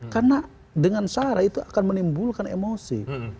karena dengan sarah itu akan menimbulkan emosi